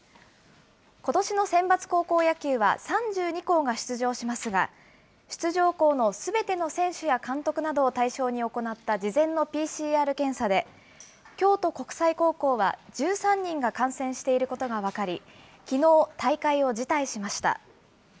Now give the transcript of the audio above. ことしのセンバツ高校野球は、３２校が出場しますが、出場校のすべての選手や監督などを対象に行った事前のＰＣＲ検査で、京都国際高校は１３人が感染していることが分かり、きのう大会を辞退しました。